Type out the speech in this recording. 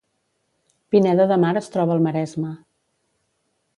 Pineda de Mar es troba al Maresme